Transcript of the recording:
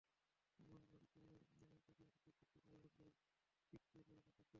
এমন লাফ দিলেন মন্টেনেগ্রিয়ান কোচ, যুদ্ধজয়ের আনন্দই ঠিকরে বেরোল তাঁর শরীরী ভাষায়।